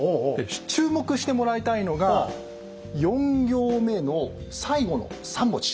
注目してもらいたいのが４行目の最後の３文字。